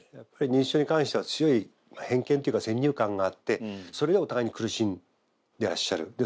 やっぱり認知症に関しては強い偏見っていうか先入観があってそれでお互いに苦しんでらっしゃる。